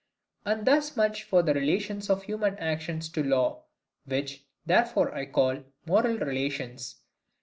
And thus much for the relation of human actions to a law, which, therefore, I call MORAL RELATIONS.